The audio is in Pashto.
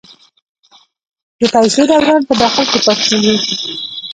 د پیسو دوران په داخل کې پاتې کیږي؟